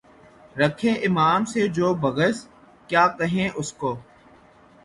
رکھے امام سے جو بغض، کیا کہیں اُس کو؟